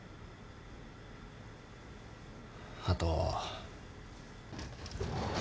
あと。